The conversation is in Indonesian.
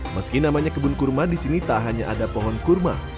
meski namanya kebun kurma di sini tak hanya ada pohon kurma